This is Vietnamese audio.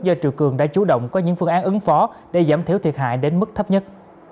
do triều cường đã chủ động có những phương án ứng phó để giảm thiểu thiệt hại đến mức thấp nhất